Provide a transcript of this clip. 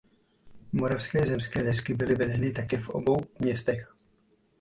Moravské zemské desky byly vedeny také v obou městech.